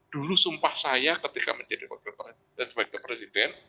dulu sumpah saya ketika menjadi presiden